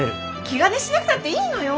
気兼ねしなくたっていいのよ。